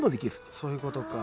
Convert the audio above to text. そういうことか。